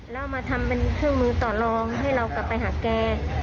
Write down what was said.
แล้วมาทำเป็นเครื่องมือต่อลองให้เรากลับไปหาแก